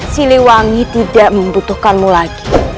siliwangi tidak membutuhkanmu lagi